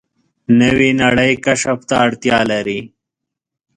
نوې نړۍ کشف ته اړتیا لري